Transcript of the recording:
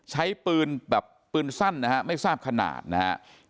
ใช้ปืนแบบปืนสั้นนะฮะไม่ทราบขนาดนะครับ